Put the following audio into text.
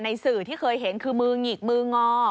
สื่อที่เคยเห็นคือมือหงิกมืองอ